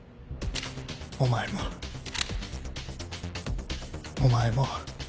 お前も。お前も。